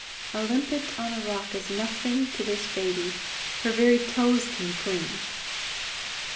A limpet on a rock is nothing to this baby. Her very toes can cling.